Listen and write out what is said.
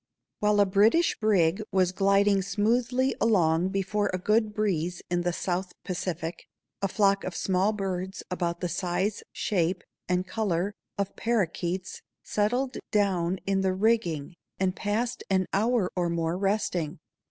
While a British brig was gliding smoothly along before a good breeze in the South Pacific, a flock of small birds about the size, shape, and color of paroquets settled down in the rigging and passed an hour or more resting.